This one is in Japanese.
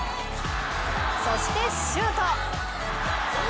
そして、シュート！